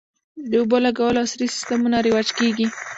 د اوبولګولو عصري سیستمونه رواج کیږي